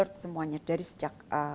alert semuanya dari sejak